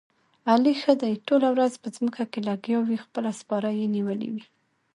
علي ښه دې ټوله ورځ په ځمکه کې لګیاوي، خپله سپاره یې نیولې ده.